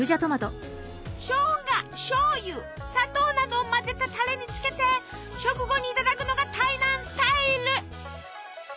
しょうがしょうゆ砂糖などを混ぜたタレにつけて食後にいただくのが台南スタイル！